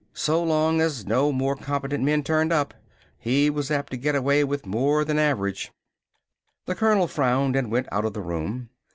So long as no more competent men turned up, he was apt to get away with more than average. The colonel frowned and went out of the room.